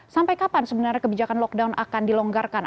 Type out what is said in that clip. sampai kapan sebenarnya kebijakan lockdown akan dilonggarkan